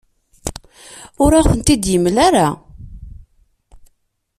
Ur aɣ-ten-id-yemla ara.